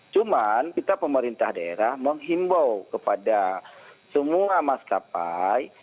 cuman kita pemerintah daerah menghimbau kepada semua maskapai